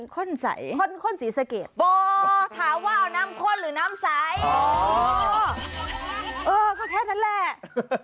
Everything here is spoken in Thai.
ข้นสีสะเกด